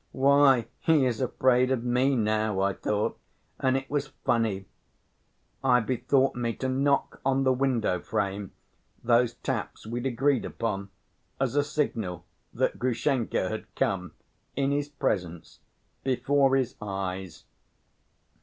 'Why, he is afraid of me now,' I thought. And it was funny. I bethought me to knock on the window‐frame those taps we'd agreed upon as a signal that Grushenka had come, in his presence, before his eyes.